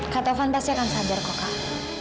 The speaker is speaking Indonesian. kak tovan pasti akan sadar kok kak